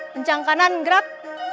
pencang ke kanan gerak